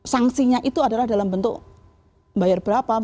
sanksinya itu adalah dalam bentuk bayar berapa